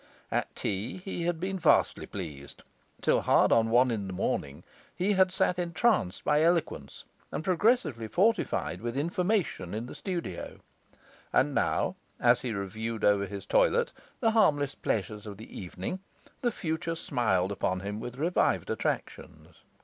At tea he had been vastly pleased; till hard on one in the morning he had sat entranced by eloquence and progressively fortified with information in the studio; and now, as he reviewed over his toilet the harmless pleasures of the evening, the future smiled upon him with revived attractions.